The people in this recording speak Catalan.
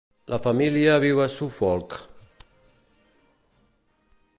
La família viu a Suffolk.